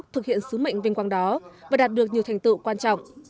thực hiện sứ mệnh vinh quang đó và đạt được nhiều thành tựu quan trọng